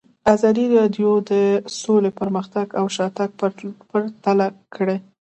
ازادي راډیو د سوله پرمختګ او شاتګ پرتله کړی.